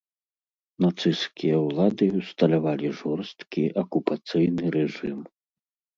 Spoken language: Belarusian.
Нацысцкія ўлады ўсталявалі жорсткі акупацыйны рэжым.